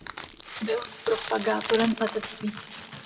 Byl propagátorem letectví.